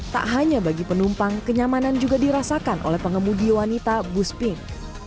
tak hanya bagi penumpang kenyamanan juga dirasakan oleh pengemudi wanita bus pink